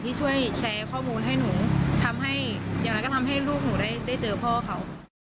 ที่ช่วยแชร์ข้อมูลให้หนูทำให้อย่างนั้นก็ทำให้ลูกหนูได้เจอพ่อเขา